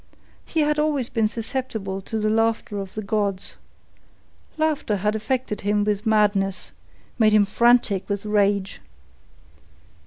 He had always been susceptible to the laughter of the gods. Laughter had affected him with madness, made him frantic with rage.